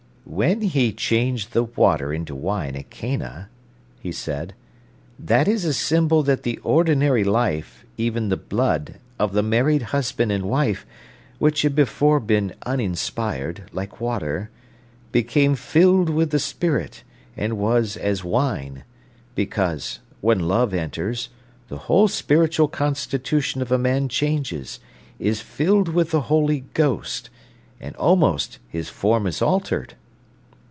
"When He changed the water into wine at Cana," he said, "that is a symbol that the ordinary life, even the blood, of the married husband and wife, which had before been uninspired, like water, became filled with the Spirit, and was as wine, because, when love enters, the whole spiritual constitution of a man changes, is filled with the Holy Ghost, and almost his form is altered."